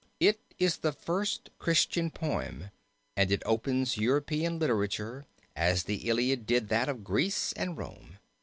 It is the first Christian Poem, and it opens European literature as the Iliad did that of Greece and Rome.